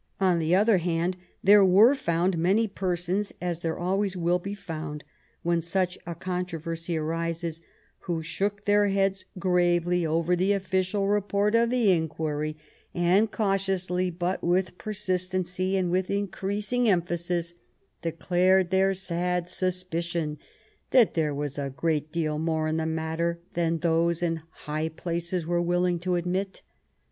On the other hand, there were found many persons, as there always will be found when such a controversy arises, who shook their heads gravely over the official 59 THE REIGN OF QUEEN ANNE report of the inquiry, and cautiously, but with persist ency and with increasing emphasis, declared their sad suspicion that there was a great deal more in the mat ter than those in high places were willing to admit.